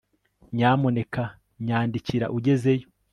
nyamuneka nyandikira ugezeyo